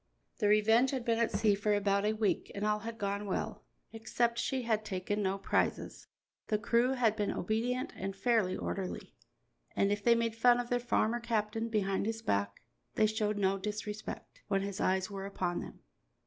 The Revenge had been at sea for about a week and all had gone well, except she had taken no prizes. The crew had been obedient and fairly orderly, and if they made fun of their farmer captain behind his back, they showed no disrespect when his eyes were upon them.